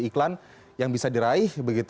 iklan yang bisa diraih